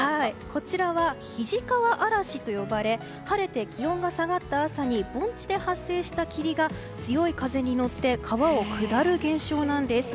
こちらは肱川あらしと呼ばれ晴れて気温が下がった朝に盆地で発生した霧が強い風に乗って川を下る現象なんです。